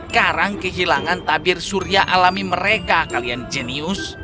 karang kehilangan tabir surya alami mereka kalian jenius